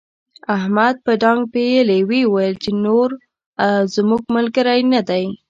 احمد په ډانګ پېيلې وويل چې نور زموږ ملګری نه دی.